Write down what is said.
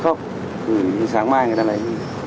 không gửi sáng mai người ta lấy